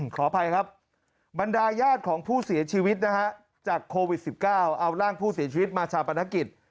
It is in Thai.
ขออภัยครับบรรดาญาติของผู้เสียชีวิตนะฮะจากโควิด๑๙เอาร่างผู้เสียชีวิตมาชาปนกิจ